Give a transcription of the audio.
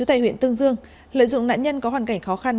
tại huyện tương dương lợi dụng nạn nhân có hoàn cảnh khó khăn